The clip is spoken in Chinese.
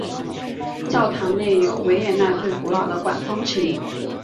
教堂内有维也纳最古老的管风琴。